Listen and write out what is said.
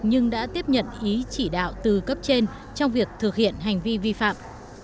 nhưng đã tiếp nhận ý chỉ đạo từ cấp trên trong việc thực hiện hành vi vi phạm